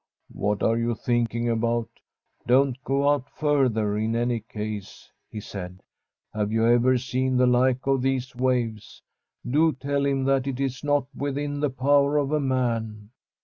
* What are you thinking about ? Don't go out further in any case/ he said. * Have you ever seen the like of these waves? Do tell him that it is not within the power of man.'